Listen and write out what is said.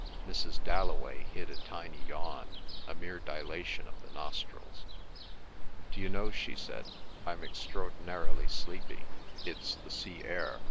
Mrs. Dalloway hid a tiny yawn, a mere dilation of the nostrils. "D'you know," she said, "I'm extraordinarily sleepy. It's the sea air.